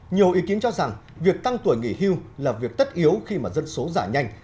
nhiều ý kiến cho rằng việc tăng tuổi nghỉ hưu là việc tất yếu khi mà dân số giả nhanh